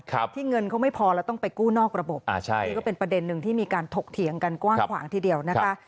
ที่เงินเขาไม่พอแล้วต้องไปกู้นอกระบบอ่าใช่นี่ก็เป็นประเด็นหนึ่งที่มีการถกเถียงกันกว้างขวางทีเดียวนะคะ